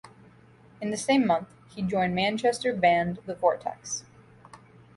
In the same month, he joined Manchester band The Vortex.